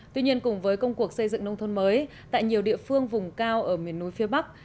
tuy nhiên cùng với công cuộc xây dựng nông thôn mới tại nhiều địa phương vùng cao ở miền núi phía bắc